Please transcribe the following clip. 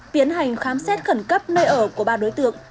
tiến hành khám xét khẩn cấp nơi ở của ba đối tượng